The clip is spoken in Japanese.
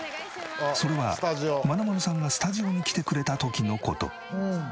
それはまなまるさんがスタジオに来てくれた時の事。